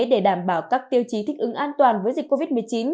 để đảm bảo các tiêu chí thích ứng an toàn với dịch covid một mươi chín